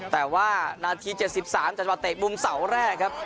แต่ว่านาที๗๓จังหวะเตะมุมเสาแรกครับ